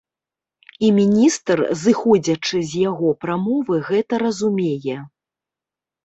І міністр, зыходзячы з яго прамовы, гэта разумее!